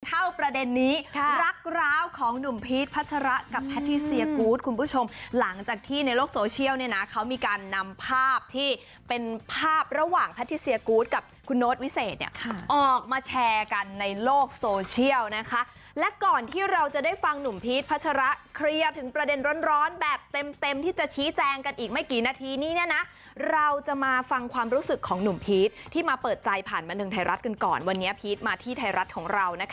เท่าประเด็นนี้รักร้าวของหนุ่มพีชพัชรากับพัทธิเซียกู๊ดคุณผู้ชมหลังจากที่ในโลกโซเชียลเนี่ยนะเขามีการนำภาพที่เป็นภาพระหว่างพัทธิเซียกู๊ดกับคุณโน้ตวิเศษเนี่ยออกมาแชร์กันในโลกโซเชียลนะคะและก่อนที่เราจะได้ฟังหนุ่มพีชพัชราเคลียร์ถึงประเด็นร้อนแบบเต็มที่จะชี้แจง